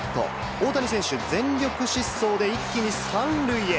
大谷選手、全力疾走で一気に３塁へ。